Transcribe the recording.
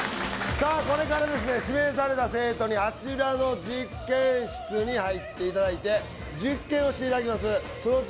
さあこれからですね指名された生徒にあちらの実験室に入っていただいて実験をしていただきます